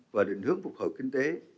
và định hướng phục hồi kinh tế